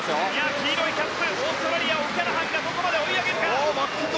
黄色いキャップオーストラリア、オキャラハンがどこまで追い上げるか。